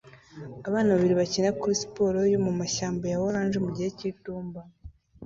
Abana babiri bakina kuri siporo yo mu mashyamba ya orange mugihe cyitumba